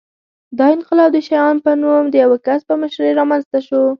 دا انقلاب د شیام په نوم د یوه کس په مشرۍ رامنځته شو